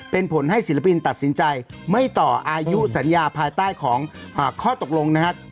เป็นผลให้ศิลปินตัดสินใจไม่ต่ออายุสัญญาภายใต้ของข้อตกลงนะครับ